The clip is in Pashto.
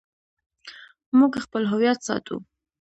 موږ خپل هویت ساتو